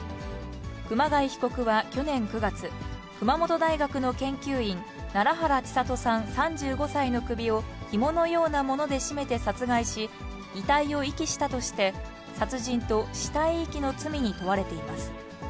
熊谷被告は去年９月、熊本大学の研究員、楢原知里さん３５歳の首をひものようなもので絞めて殺害し、遺体を遺棄したとして、殺人と死体遺棄の罪に問われています。